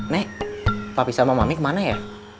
nek papi sama mami kemana ya